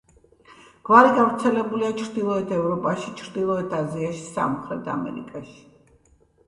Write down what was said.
გვარი გავრცელებულია ჩრდილოეთ ევროპაში, ჩრდილოეთ აზიაში, სამხრეთ ამერიკაში.